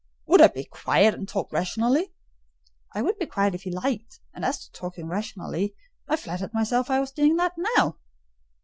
"Would I be quiet and talk rationally?" "I would be quiet if he liked, and as to talking rationally, I flattered myself I was doing that now."